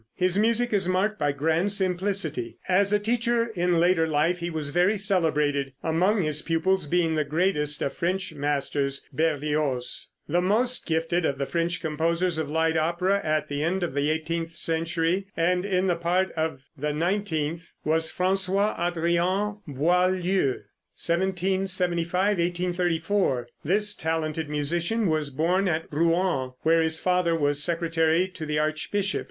His music is marked by grand simplicity. As a teacher in later life he was very celebrated, among his pupils being the greatest of French masters, Berlioz. [Illustration: Fig. 62. BOIELDIEU.] The most gifted of the French composers of light opera at the end of the eighteenth century, and in the part of the nineteenth, was François Adrien Boieldieu (1775 1834). This talented musician was born at Rouen, where his father was secretary to the archbishop.